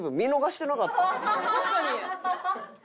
確かに！